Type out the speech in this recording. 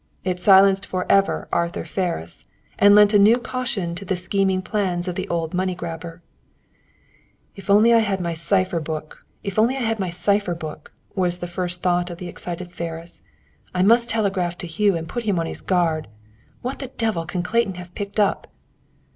It silenced forever Arthur Ferris, and lent a new caution to the scheming plans of the old money grabber. "If I only had my cipher book," was the first thought of the excited Ferris, "I must telegraph to Hugh and put him on his guard. What the devil can Clayton have picked up?"